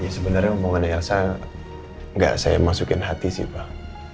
sebenarnya ngomongin elsa gak saya masukin hati sih pak